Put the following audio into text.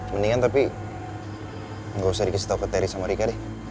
mendingan tapi gak usah dikasih tau materi sama rika deh